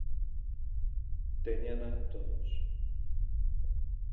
Téñena todos.